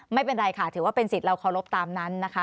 ไม่เป็นไรค่ะถือว่าเป็นสิทธิ์เราเคารพตามนั้นนะคะ